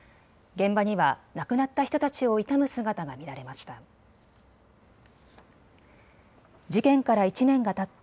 現場には亡くなった人たちを悼む姿が見られました。